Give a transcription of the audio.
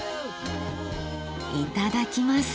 いただきます。